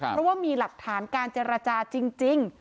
เพราะว่ามีหลักฐานการเจรจาจริง